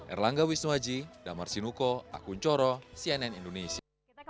erlangga wisnuaji damar sinuko akun coro cnn indonesia